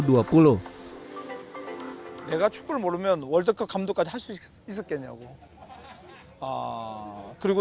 jika saya tidak tahu bola apakah saya bisa menjadi pengarah world cup